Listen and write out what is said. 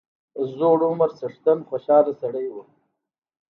زوړ عمر څښتن خوشاله سړی وو.